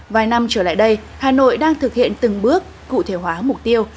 vài năm trở lại đây hà nội đang thực hiện từng bước cụ thể hóa mục tiêu